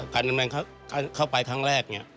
การดำเนินการเข้าไปครั้งแรก